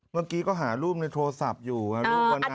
เมื่อกี้ก็หารูปในโทรศัพท์อยู่รูปวันนั้น